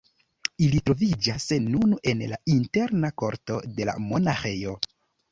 Ili troviĝas nun en la interna korto de la monaĥejo.